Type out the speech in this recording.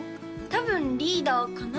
多分リーダーかな？